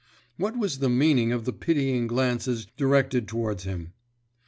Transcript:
What was the meaning of the pitying glances directed towards him?